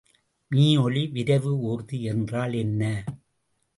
மீஒலி விரைவு ஊர்தி என்றால் என்ன?